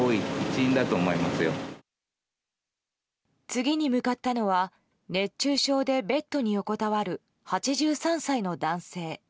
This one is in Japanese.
次に向かったのは熱中症でベッドに横たわる８３歳の男性。